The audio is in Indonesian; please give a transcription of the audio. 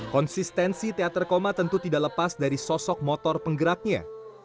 konsistensi teater koma tentu tidak lepas dari sosok motor penggeraknya